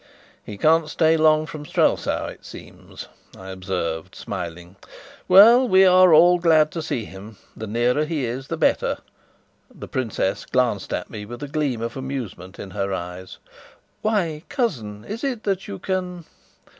"He can't stay long from Strelsau, it seems," I observed, smiling. "Well, we are all glad to see him. The nearer he is, the better." The princess glanced at me with a gleam of amusement in her eyes. "Why, cousin? Is it that you can